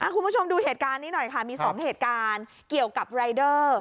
คุณผู้ชมดูเหตุการณ์นี้หน่อยค่ะมี๒เหตุการณ์เกี่ยวกับรายเดอร์